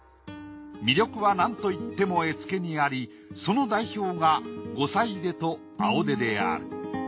魅力はなんといっても絵付けにありその代表が五彩手と青手である。